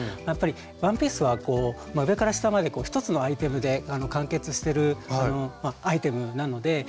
やっぱりワンピースは上から下まで一つのアイテムで完結してるあのアイテムなので。